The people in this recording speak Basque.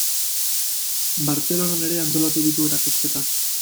Bartzelonan ere antolatu ditu erakusketak.